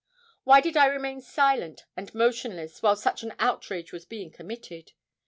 Why did I remain silent and motionless while such an outrage was being committed?